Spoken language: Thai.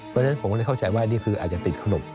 เพราะฉะนั้นผมก็เลยเข้าใจว่านี่คืออาจจะติดขนบ